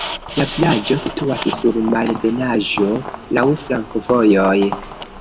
La vilaĝo situas sur malebenaĵo, laŭ flankovojoj.